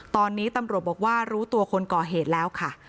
ตอนนี้ตำรวจบอกว่ารู้ตัวคนก่อเหตุแล้วค่ะ